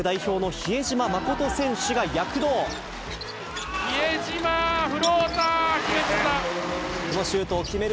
比江島、フローター、決めた。